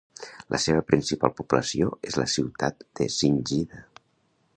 La seva principal població és la ciutat de Singida.